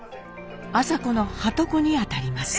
麻子のはとこにあたります。